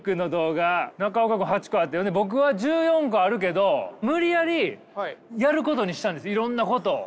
中岡くん８個あって僕は１４個あるけど無理やりやることにしたんですいろんなことを。